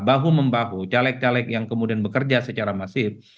bahu membahu caleg caleg yang kemudian bekerja secara masif